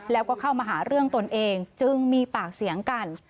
แล้วก็เข้ามาหาเรื่องตนเองจึงมีปากเสียงกัน